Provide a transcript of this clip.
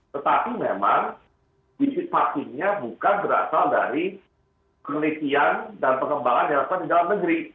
tetapi memang bisik vaksinnya bukan berasal dari penelitian dan pengembangan yang dilakukan di dalam negeri